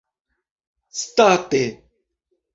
state